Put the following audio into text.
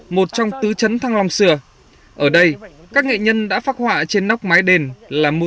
một trong tứ chấn thăng long xưa ở đây các nghệ nhân đã phác họa trên nóc mái đền là mô